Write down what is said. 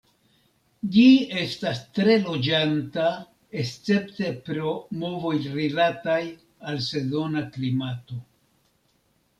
Ĝi estas tre loĝanta escepte pro movoj rilataj al sezona klimato.